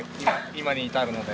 今に至るので。